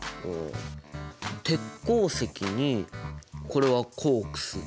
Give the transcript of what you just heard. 鉄鉱石にこれはコークス。